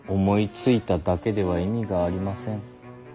思いついただけでは意味がありません。